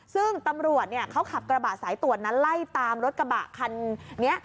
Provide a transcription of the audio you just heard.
ซึ่งตำรวจเขาขับกระบะสายตรวจนั้นไล่ตามรถกระบะคันนี้